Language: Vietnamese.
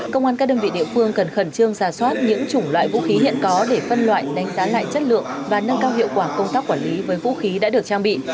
công an các đơn vị địa phương cần khẩn trương giả soát những chủng loại vũ khí hiện có để phân loại đánh giá lại chất lượng và nâng cao hiệu quả công tác quản lý với vũ khí đã được trang bị